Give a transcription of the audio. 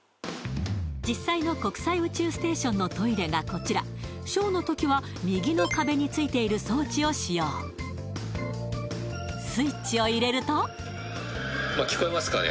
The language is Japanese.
実際の国際宇宙ステーションのトイレがこちら小のときは右の壁についている装置を使用スイッチを入れると聞こえますかね？